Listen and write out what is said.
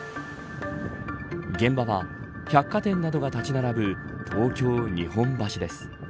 現場は百貨店などが建ち並ぶ東京、日本橋です。